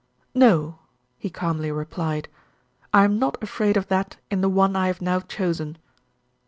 "No," he calmly replied. "I am not afraid of that in the one I have now chosen."